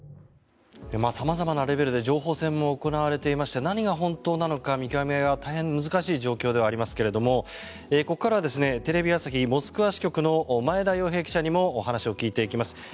様々なレベルで情報戦も行われていまして何が本当なのか見極めが大変難しい状況ではありますがここからはテレビ朝日モスクワ支局の前田洋平記者にもお話を聞いていきます。